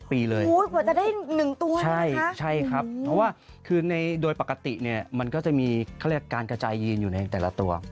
มีหลายมอบหรือสีพันธุ์รายละมีหลายสีพันธุ์อยู่ในตัว